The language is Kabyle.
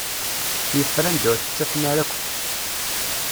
Yeffer anda ur t-ttafen ara akk.